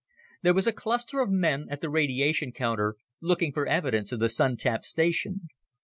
There was a cluster of men at the radiation counter, looking for evidence of the Sun tap station.